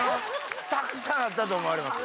たくさんあったと思われますよ。